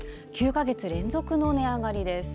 ９か月連続の値上がりです。